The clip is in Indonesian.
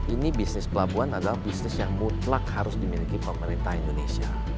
ini bisnis pelabuhan adalah bisnis yang mutlak harus dimiliki pemerintah indonesia